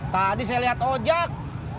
tadi saya liat ojak